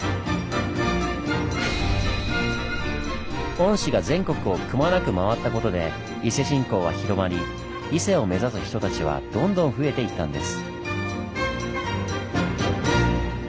御師が全国をくまなく回ったことで伊勢信仰は広まり伊勢を目指す人たちはどんどん増えていったんです。